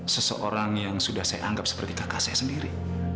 seseorang yang sudah saya anggap seperti kakak saya sendiri